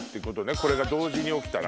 これが同時に起きたら。